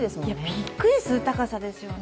びっくりする高さですよね。